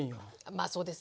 まあそうですね。